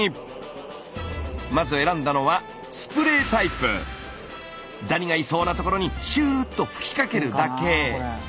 まず選んだのはダニがいそうな所にシューッと吹きかけるだけ。